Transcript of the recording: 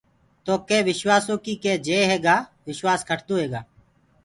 تو ڪي وشواسو ڪي جئي هيگآ وشوآس کٽسو هيگآ۔